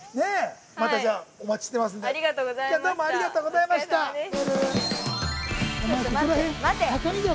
◆また、じゃあ、お待ちしてますんで。